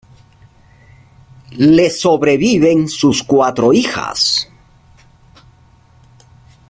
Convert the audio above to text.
Le sobreviven sus cuatro hijas.